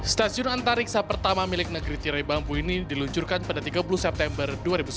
stasiun antariksa pertama milik negeri tirai bambu ini diluncurkan pada tiga puluh september dua ribu sembilan belas